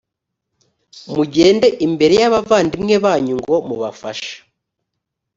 mugende imbere y’abavandimwe banyu ngo mubafashe,